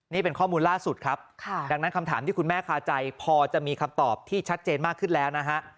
นี่เป็นข้อมูลล่าสุดครับดังนั้นคำถามที่คุณแม่คาใจพอจะมีคำตอบที่ชัดเจนมากขึ้นแล้วนะฮะ